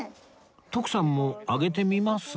徳さんもあげてみます？